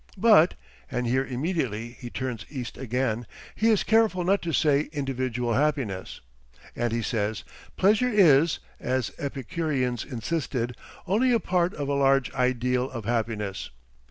But and here immediately he turns east again he is careful not to say "individual happiness." And he says "Pleasure is, as Epicureans insisted, only a part of a large ideal of happiness."